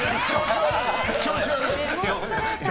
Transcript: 調子悪いよ。